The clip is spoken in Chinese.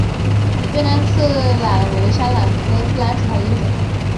越南刺榄为山榄科刺榄属下的一个种。